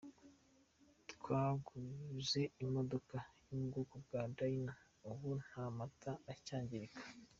Twaguze imodoka yo mu bwoko bwa Dyna, ubu nta mata acyangirika.